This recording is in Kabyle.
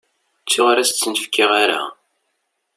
Ttuɣ ur as-tt-in-fkiɣ ara.